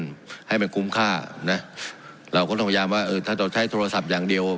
ให้มันคุ้มค่านะเราก็ต้องพยายามว่าเออถ้าเราใช้โทรศัพท์อย่างเดียว